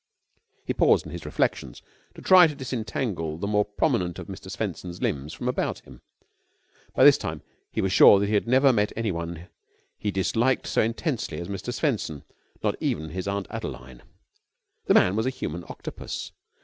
He paused in his reflections to try to disentangle the more prominent of Mr. Swenson's limbs from about him. By this time he was sure that he had never met anyone he disliked so intensely as Mr. Swenson not even his Aunt Adeline. The man was a human octopus.